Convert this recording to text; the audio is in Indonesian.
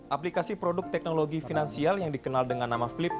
aplikasi produk teknologi finansial yang dikenal dengan nama flip